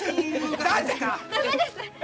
駄目です！